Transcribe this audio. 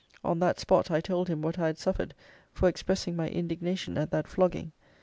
On that spot, I told him what I had suffered for expressing my indignation at that flogging.